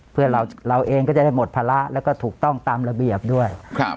เพื่อเราเองก็จะได้หมดภาระแล้วก็ถูกต้องตามระเบียบด้วย